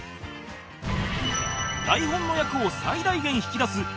台本の役を最大限引き出す